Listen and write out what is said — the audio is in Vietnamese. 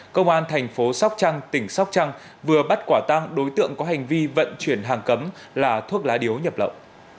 công an thành phố sóc trăng tỉnh sóc trăng vừa bắt quả tăng đối tượng có hành vi vận chuyển hàng cấm là thuốc lá điếu nhập lậu